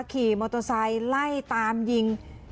ขี่มอเตอร์ไซค์ไล่ตามยิง